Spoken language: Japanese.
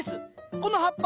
この葉っぱ。